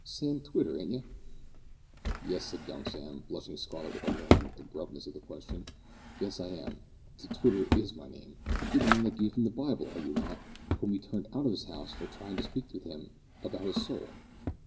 Sam Twitter, ain't you?" "Yes," said young Sam, blushing scarlet with alarm at the abruptness of the question. "Yes, I am. T Twitter is my name. You're the man that gave him the Bible, are you not, whom he turned out of his house for tryin' to speak to him about his soul?"